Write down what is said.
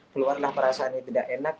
keluarlah perasaan yang tidak enak